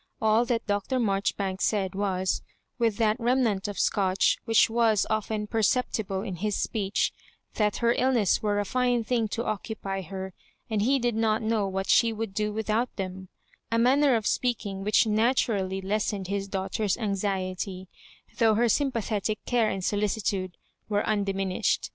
All that Dr. Marjoribanks said was — with that remnant ef Scotch which was often perceptible in his speech — ^thather illness were a fine thing to occupy her, and he did not know what she would do without them — a manner of speaking which naturally lessened his daughter's anxiety, though her sympathetic care and solicitude were undi minished.